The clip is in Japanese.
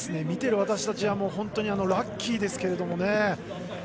見ている私たちは本当にラッキーですけどもね。